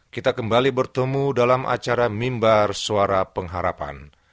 kita kembali bertemu dalam acara mimbar suara pengharapan